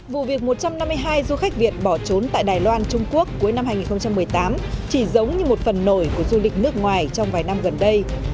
vụ việc một trăm năm mươi hai du khách việt bỏ trốn tại đài loan trung quốc cuối năm hai nghìn một mươi tám chỉ giống như một phần nổi của du lịch nước ngoài trong vài năm gần đây